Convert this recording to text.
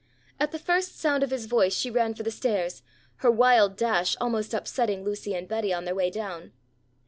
At the first sound of his voice she ran for the stairs, her wild dash almost upsetting Lucy and Betty on their way down.